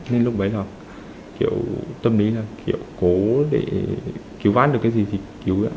nên lúc đấy là kiểu tâm lý là kiểu cố để cứu ván được cái gì thì cứu